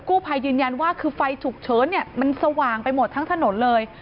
ภัยยืนยันว่าคือไฟฉุกเฉินเนี่ยมันสว่างไปหมดทั้งถนนเลย